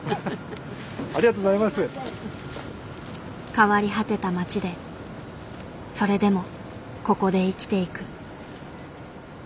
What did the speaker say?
変わり果てた町でそれでもここで生きていく。